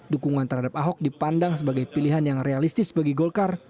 dukungan terhadap ahok dipandang sebagai pilihan yang realistis bagi golkar